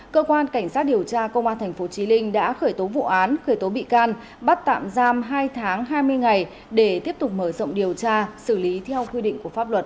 cơ quan cảnh sát điều tra công an tp chí linh đã khởi tố vụ án khởi tố bị can bắt tạm giam hai tháng hai mươi ngày để tiếp tục mở rộng điều tra xử lý theo quy định của pháp luật